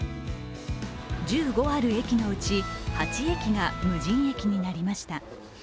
１５ある駅のうち８駅が無人駅になりました。